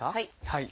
はい。